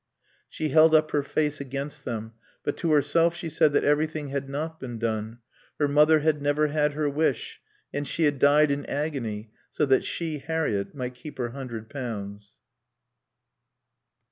She held up her face against them; but to herself she said that everything had not been done. Her mother had never had her wish. And she had died in agony, so that she, Harriett, might keep her hundred pounds.